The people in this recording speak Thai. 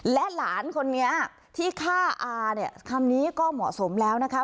และหลานคนนี้ที่ฆ่าอาเนี่ยคำนี้ก็เหมาะสมแล้วนะคะ